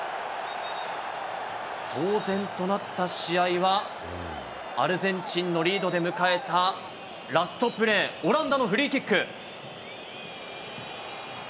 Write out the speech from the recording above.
騒然となった試合は、アルゼンチンのリードで迎えたラストプレー、オランダのフリーキック。